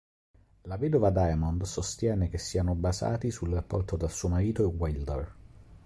La vedova Diamond sostiene che siano basati sul rapporto tra suo marito e Wilder.